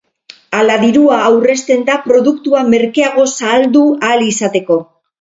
Hala dirua aurrezten da produktua merkeago saldu ahal izateko.